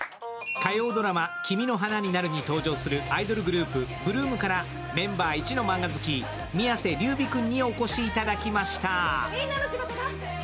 火曜ドラマ「君の花になる」に登場するアイドルグループ・８ＬＯＯＭからメンバー一のマンガ好き、宮世琉弥君にお越しいただきました。